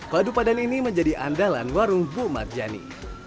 padu padan ini menjadi andalan warung bu marjani